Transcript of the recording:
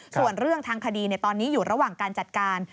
ส่วนเรื่องทางคดีตอนนี้อยู่ระหว่างการจัดการ